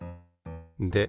で